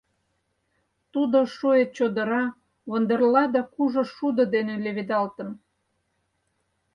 Тудо шуэ чодыра, вондерла да кужу шудо дене леведалтын.